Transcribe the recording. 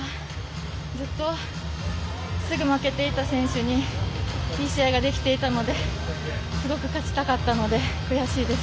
ずっとすぐ負けていた選手にいい試合ができていたのですごく勝ちたかったので悔しいです。